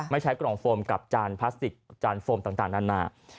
ใช้กล่องโฟมกับจานพลาสติกจานโฟมต่างนานา